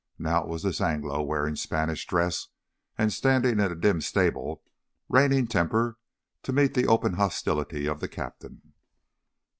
Now it was this Anglo wearing Spanish dress and standing in a dim stable, reining temper to meet the open hostility of the captain.